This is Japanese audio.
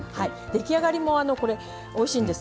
出来上がりもおいしいんです。